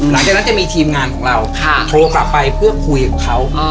หลังจากนั้นจะมีทีมงานของเราโทรกลับไปเพื่อคุยกับเขา